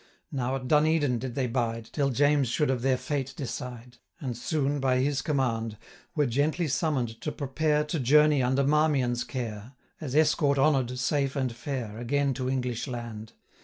Now at Dun Edin did they bide, 510 Till James should of their fate decide; And soon, by his command, Were gently summon'd to prepare To journey under Marmion's care, As escort honour'd, safe, and fair, 515 Again to English land.